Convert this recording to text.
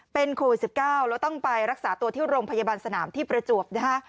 เป็นโควิด๑๙แล้วต้องไปรักษาตัวที่โรงพยาบาลสนามที่ประจวบนะฮะ